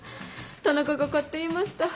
田中が勝手言いました。